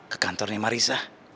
ke kantornya marissa